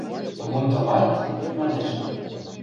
– Бунтовать?! – манеш.